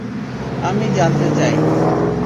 আমি জানতে চাই।